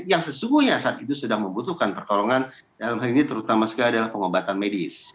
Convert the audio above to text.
yang sesungguhnya saat itu sudah membutuhkan pertolongan dalam hal ini terutama sekali adalah pengobatan medis